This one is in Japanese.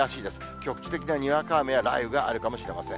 局地的なにわか雨や雷雨があるかもしれません。